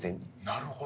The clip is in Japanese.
なるほど。